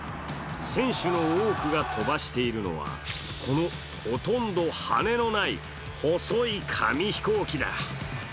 選手の多くが飛ばしているのはこのほとんど羽根のない細い紙飛行機だ。